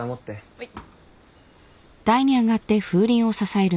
はい。